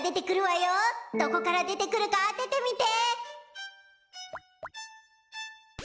どこから出てくるか当ててみて。